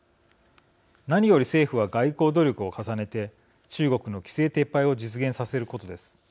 何より政府は外交努力を重ねて中国の規制撤廃を実現させることです。